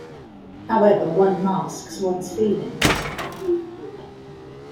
However, one masks one's feelings.